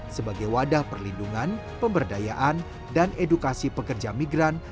sebagai wadah perlindungan pemberdayaan dan edukasi pekerja migran